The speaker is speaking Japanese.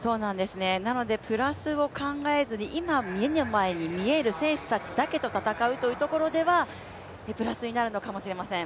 なので、プラスを考えずに、今目の前にいる選手たちとだけ戦うというところではプラスになるのかもしれません。